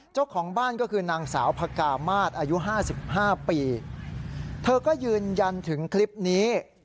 เจ้าของบ้านก็คือนางสาวพกามาศอายุห้าสิบห้าปีเธอก็ยืนยันถึงคลิปนี้